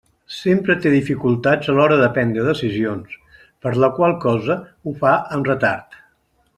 Sempre té dificultats a l'hora de prendre decisions, per la qual cosa ho fa amb retard.